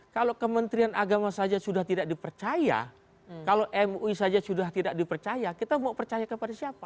kalau kementerian agama saja sudah tidak dipercaya kalau mui saja sudah tidak dipercaya kita mau percaya kepada siapa